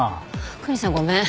クニさんごめん。